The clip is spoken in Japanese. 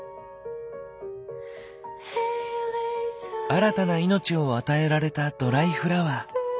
新たな命を与えられたドライフラワー。